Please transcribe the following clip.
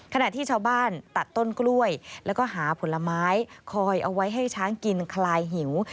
ขณะที่ชาวบ้านตัดต้นกล้วยแล้วก็หาผลไม้คอยเอาไว้ให้ช้างกินคลายหิว